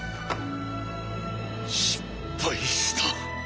「失敗した」。